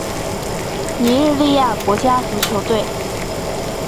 尼日利亚国家足球队